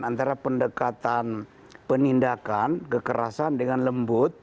antara pendekatan penindakan kekerasan dengan lembut